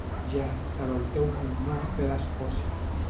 Ja, però el teu cognom ve d'Escòcia.